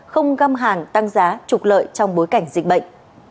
không găm hàng tăng giá trục lợi trong bối cảnh dịch bệnh